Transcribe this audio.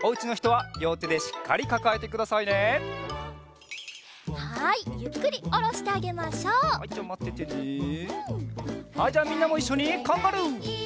はいじゃあみんなもいっしょにカンガルー。